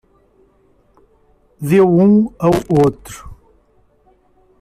Deu um ao outro